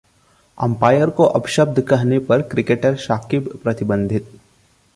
umpire को अपशब्द कहने पर क्रिकेटर शाकिब प्रतिबंधित